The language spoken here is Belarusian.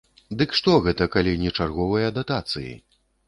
Дык што гэта, калі не чарговыя датацыі?